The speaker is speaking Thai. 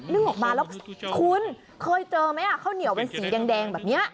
ึ่งออกมาแล้วคุณเคยเจอไหมข้าวเหนียวเป็นสีแดงแบบนี้